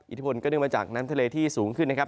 อิทธิพลก็เนื่องมาจากน้ำทะเลที่สูงขึ้นนะครับ